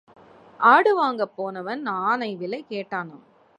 ஆடு வாங்கப் போனவன் ஆனை விலை கேட்டானாம்.